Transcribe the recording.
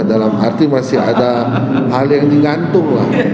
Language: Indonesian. dalam arti masih ada hal yang di ngantung lah